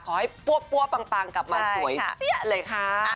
ปั้วปังกลับมาสวยเสี้ยเลยค่ะ